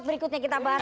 berikutnya kita bahas